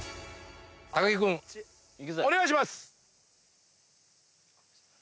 木君お願いします！